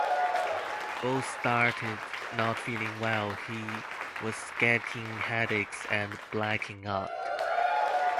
Bo started not feeling well; he was getting headaches and blacking out.